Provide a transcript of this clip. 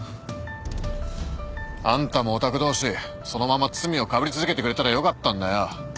あんたもオタク同士そのまま罪をかぶり続けてくれたらよかったんだよ。